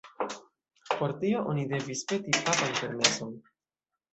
Por tio oni devis peti papan permeson.